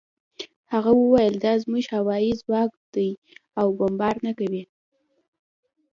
هغه وویل دا زموږ هوايي ځواک دی او بمبار نه کوي